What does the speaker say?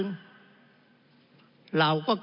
จึงฝากกลับเรียนเมื่อเรามีการแก้รัฐพาหารกันอีก